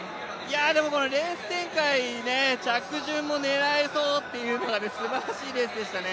レース展開、着順も狙えそうというすばらしいレースでしたね。